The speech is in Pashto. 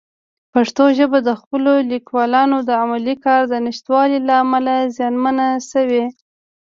پښتو ژبه د خپلو لیکوالانو د علمي کار د نشتوالي له امله زیانمنه شوې.